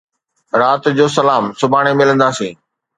رات جو سلام. سڀاڻي ملندا سين